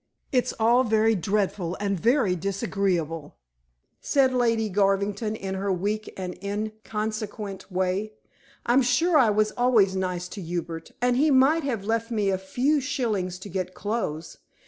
"It's all very dreadful and very disagreeable," said Lady Garvington in her weak and inconsequent way. "I'm sure I was always nice to Hubert and he might have left me a few shillings to get clothes.